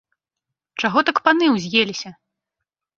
Чаго так паны ўз'еліся?